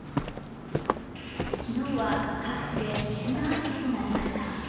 昨日は各地で危険な暑さとなりました。